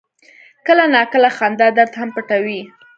کله ناکله خندا درد هم پټوي.